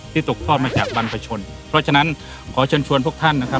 ตกทอดมาจากบรรพชนเพราะฉะนั้นขอเชิญชวนพวกท่านนะครับ